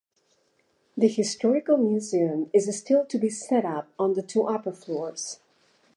The Historical Museum is still to be set up on the two upper floors.